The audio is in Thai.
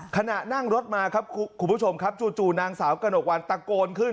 ขณะนั่งรถมาครับคุณผู้ชมครับจู่นางสาวกระหนกวันตะโกนขึ้น